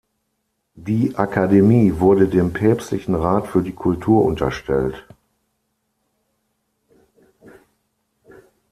Die Akademie wurde dem Päpstlichen Rat für die Kultur unterstellt.